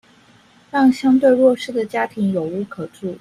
讓相對弱勢的家庭有屋可住